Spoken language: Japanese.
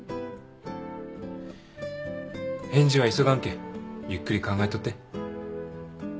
返事は急がんけんゆっくり考えとって。